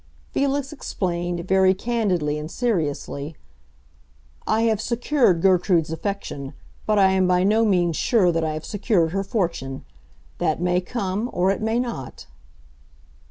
Felix explained, very candidly and seriously. "I have secured Gertrude's affection, but I am by no means sure that I have secured her fortune. That may come—or it may not."